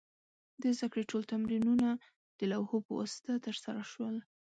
د زده کړې ټول تمرینونه د لوحو په واسطه ترسره شول.